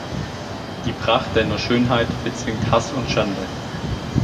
Die Pracht Deiner Schönheit bezwingt Hass und Schande.